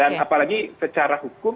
dan apalagi secara hukum